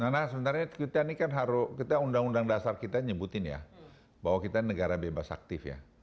nah sebenarnya kita ini kan harus kita undang undang dasar kita nyebutin ya bahwa kita negara bebas aktif ya